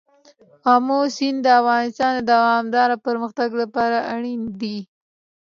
آمو سیند د افغانستان د دوامداره پرمختګ لپاره اړین دی.